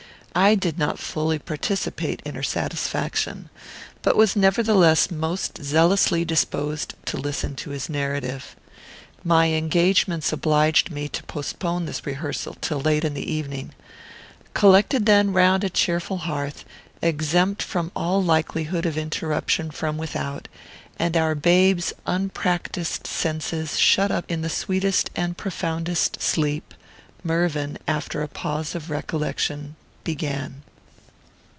I did not fully participate in her satisfaction, but was nevertheless most zealously disposed to listen to his narrative. My engagements obliged me to postpone this rehearsal till late in the evening. Collected then round a cheerful hearth, exempt from all likelihood of interruption from without, and our babe's unpractised senses shut up in the sweetest and profoundest sleep, Mervyn, after a pause of recollection, began.